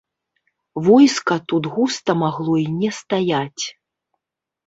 Войска тут густа магло і не стаяць.